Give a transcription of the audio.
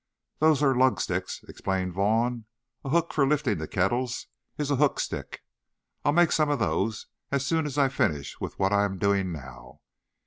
"These are 'lug sticks,'" explained Vaughn. "A hook for lifting the kettles is a 'hook stick.' I'll make some of those as soon as I finish with what I am doing now.